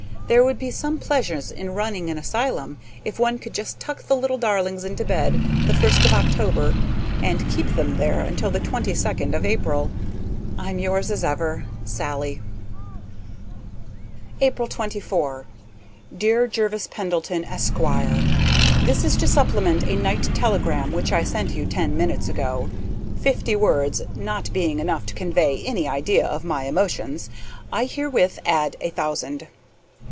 There would be some pleasure in running an asylum if one could just tuck the little darlings into bed the first of October and keep them there until the twenty second of April. I'm yours, as ever, SALLIE. April 24. Dear Jervis Pendleton, Esq.: This is to supplement a night telegram which I sent you ten minutes ago. Fifty words not being enough to convey any idea of my emotions, I herewith add a thousand.